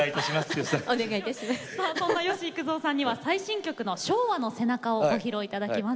そして、吉幾三さんには最新曲の「昭和の背中」をご披露いただきます。